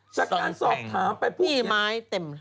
ซงแข่ง